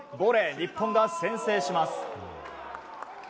日本が先制します。